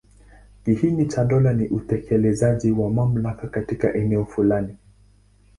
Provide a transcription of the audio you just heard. Kiini cha dola ni utekelezaji wa mamlaka katika eneo fulani.